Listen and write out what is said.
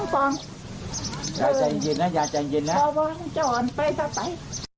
ปลอมจอมไป